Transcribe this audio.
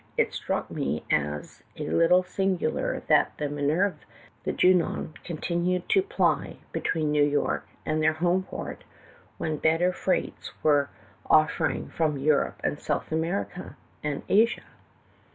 It struck me as a little singidar that the Mi nerve and Junon continued to ply between New York and their home port, when better freights were offering from Europe to South America and Asia.